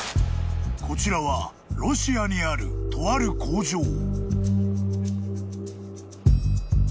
［こちらはロシアにあるとある工場］